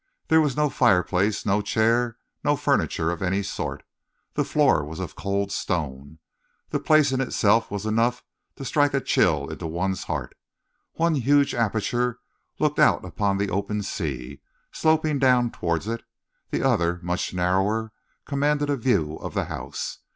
There was no fireplace, no chair, no furniture of any sort. The floor was of cold stone. The place in itself was enough to strike a chill into one's heart. One huge aperture looked out upon the open sea, sloping down towards it. The other, much narrower, commanded a view of the house.